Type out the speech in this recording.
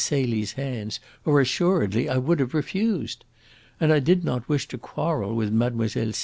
Celie's hands, or assuredly I would have refused. And I did not wish to quarrel with Mlle.